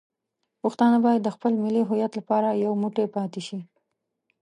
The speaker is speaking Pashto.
پښتانه باید د خپل ملي هویت لپاره یو موټی پاتې شي.